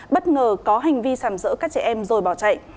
bất ngờ có hành vi sảm rỡ các trẻ em rồi bỏ chạy